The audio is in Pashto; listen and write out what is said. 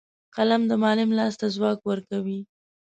قلم د معلم لاس ته ځواک ورکوي